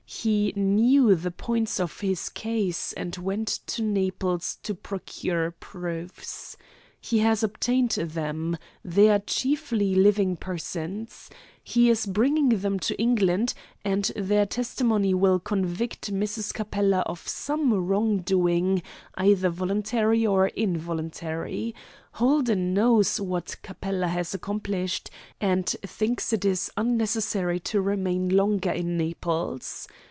He knew the points of his case, and went to Naples to procure proofs. He has obtained them. They are chiefly living persons. He is bringing them to England, and their testimony will convict Mrs. Capella of some wrong doing, either voluntary or involuntary. Holden knows what Capella has accomplished, and thinks it is unnecessary to remain longer in Naples.